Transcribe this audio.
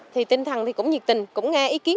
thì tinh thần thì cũng nhiệt tình cũng nghe ý kiến